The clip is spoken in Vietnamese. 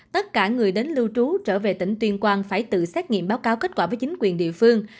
tất cả người đến lưu trú trở về tỉnh tuyên quang phải tự xét nghiệm báo cáo kết quả với chính quyền địa phương